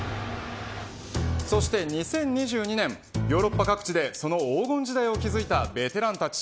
そして２０２２年ヨーロッパ各地でその黄金時代を築いたそのベテランたち。